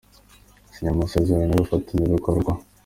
yasinye amasezerano y’ubufatanyabikorwa.